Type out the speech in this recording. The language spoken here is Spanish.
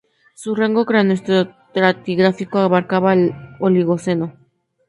Su rango cronoestratigráfico abarcaba el Oligoceno.